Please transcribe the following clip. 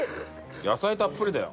野菜たっぷりだよ。